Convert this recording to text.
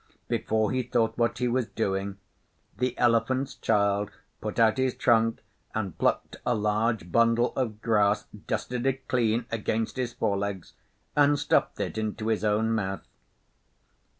Before he thought what he was doing the Elephant's Child put out his trunk and plucked a large bundle of grass, dusted it clean against his fore legs, and stuffed it into his own mouth.